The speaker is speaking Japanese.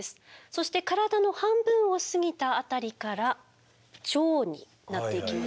そして体の半分を過ぎたあたりから腸になっていきますね。